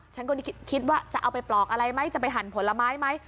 ฉันก็คิดว่าจะเอาไปปลอกอะไรไหมจะไปหั่นผลไม้ไหม